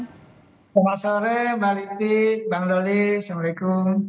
selamat sore mbak liti bang doli assalamualaikum